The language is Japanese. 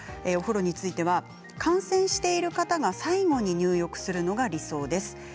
お風呂については感染している方が最後に入浴するのが理想です。